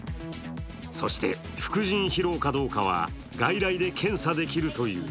そして副腎疲労かどうかは外来で検査できるという。